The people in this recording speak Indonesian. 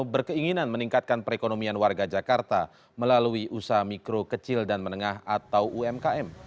berkeinginan meningkatkan perekonomian warga jakarta melalui usaha mikro kecil dan menengah atau umkm